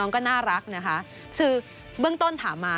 ก็น่ารักนะคะคือเบื้องต้นถามมา